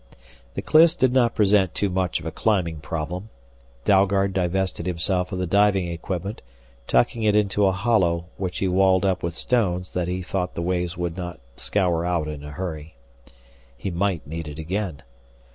The cliffs did not present too much of a climbing problem. Dalgard divested himself of the diving equipment, tucking it into a hollow which he walled up with stones that he thought the waves would not scour out in a hurry. He might need it again.